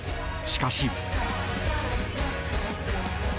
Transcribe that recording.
しかし。